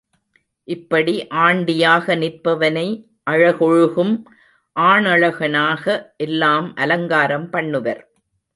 இப்படி ஆண்டியாக நிற்பவனை அழகொழுகும் ஆணழகனாக எல்லாம் அலங்காரம் பண்ணுவர்.